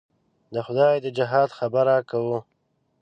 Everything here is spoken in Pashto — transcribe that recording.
د خدای د جهاد خبره کوو.